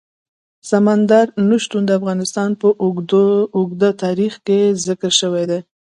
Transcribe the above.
سمندر نه شتون د افغانستان په اوږده تاریخ کې ذکر شوی دی.